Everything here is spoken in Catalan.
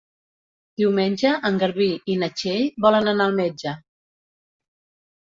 Diumenge en Garbí i na Txell volen anar al metge.